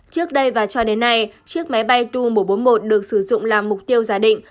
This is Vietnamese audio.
trước đây và cho đến nay chiếc máy bay tu một trăm bốn mươi một được sử dụng làm mục tiêu giả định